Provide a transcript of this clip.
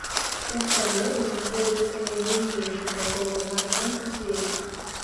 У саборы знаходзіцца найбуйнейшы царкоўны арган у свеце.